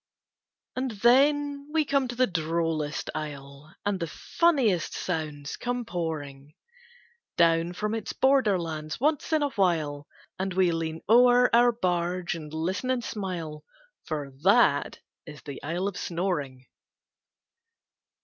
And then we come to the drollest isle, And the funniest sounds come pouring Down from its borderlands once in a while, And we lean o'er our barge and listen and smile; For that is the Isle of Snoring.